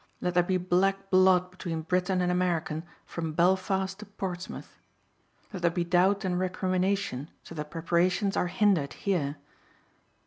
Let there be black blood between Briton and American from Belfast to Portsmouth. Let there be doubt and recrimination so that preparations are hindered here."